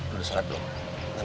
lo udah sholat belum